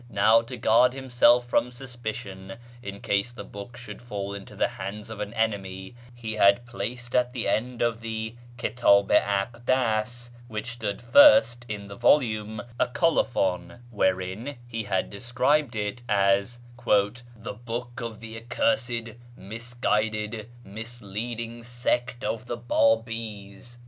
Now to guard himself from suspicion, in case the book should fall into the hands of an enemy, he had placed at the end of the Kitdh i Akdas, which stood first in the volume, a colophon, wherein he had described it as " the book of tlie accursed, misguided, misleading sect of the Babis."